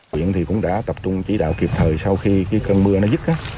quyện thì cũng đã tập trung chỉ đạo kịp thời sau khi cơn mưa dứt